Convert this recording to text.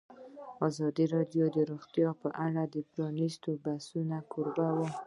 ازادي راډیو د روغتیا په اړه د پرانیستو بحثونو کوربه وه.